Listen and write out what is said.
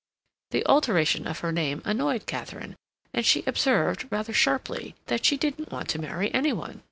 The alteration of her name annoyed Katharine, and she observed, rather sharply, that she didn't want to marry any one.